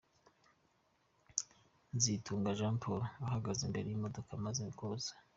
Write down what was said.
Nzitunga Jean Paul, ahagaze imbere y’imodoka amaze koza.